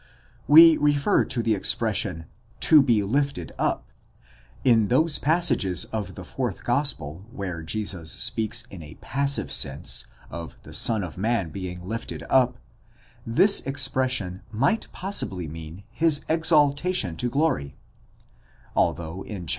We refer to the expression ὑψωθῆναι, to be lifted up: in those passages of the fourth gospel where Jesus speaks in a passive sense of the Son of Man being lifted up, this expression might possibly mean his exaltation to glory, although in iii.